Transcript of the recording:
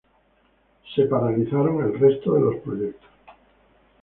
Se paralizaron el resto de proyectos.